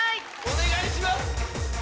お願いします！